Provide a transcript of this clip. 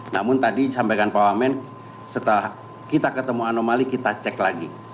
namun tadi sampaikan pak wamen setelah kita ketemu anomali kita cek lagi